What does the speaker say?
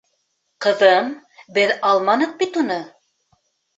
— Ҡыҙым, беҙ алманыҡ бит уны...